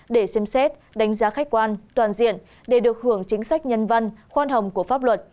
để xem xét đánh giá khách quan toàn diện để được hưởng chính sách nhân văn khoan hồng của pháp luật